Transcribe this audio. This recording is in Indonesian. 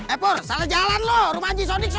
eh pur salah jalan lu rumah aja sodik sono